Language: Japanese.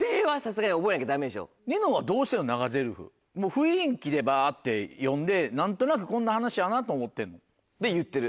雰囲気でバって読んで何となくこんな話やなと思ってんの？で言ってる。